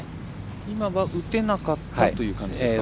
今は打てなかったという感じですか。